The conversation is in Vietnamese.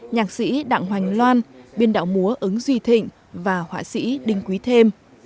nhạc sĩ đặng hoành loan biên đạo múa ứng duy thịnh và họa sĩ đinh quý thêm